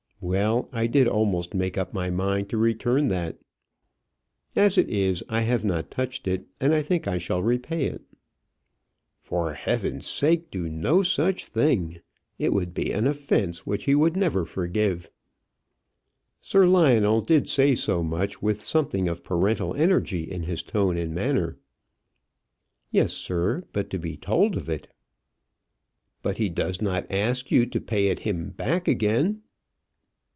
Well, I did almost make up my mind to return that; as it is, I have not touched it, and I think I shall repay it." "For heaven's sake do no such thing. It would be an offence which he would never forgive." Sir Lionel did say so much with something of parental energy in his tone and manner. "Yes, sir; but to be told of it!" "But he does not ask you to pay it him back again?"